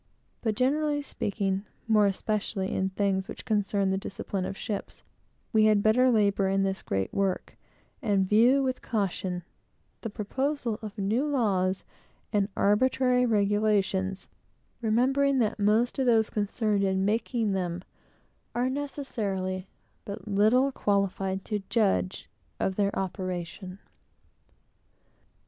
But, generally speaking, more especially in things which concern the discipline of ships, we had better labor in this great work, and view with caution the proposal of new laws and arbitrary regulations, remembering that most of those concerned in the making of them must necessarily be little qualified to judge of their operation.